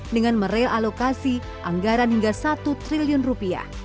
dengan merealokasi anggaran hingga satu triliun rupiah